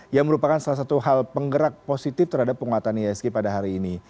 yang merupakan salah satu hal penggerak positif terhadap penguatan isg pada hari ini